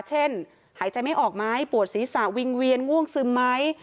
หายใจไม่ออกไหมปวดศีรษะวิงเวียนง่วงซึมไหม